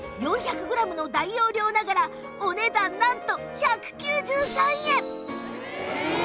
４００グラムの大容量ながらお値段なんと１９３円！